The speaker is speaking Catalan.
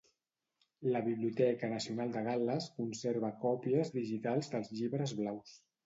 La Biblioteca Nacional de Gal·les conserva còpies digitals dels llibres blaus.